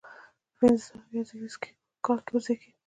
په پنځه سوه اویا زیږدي کال وزیږېد.